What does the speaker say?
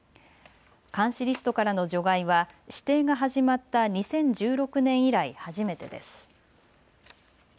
監視リストからの除外は指定が始まった２０１６年以来、初めてです。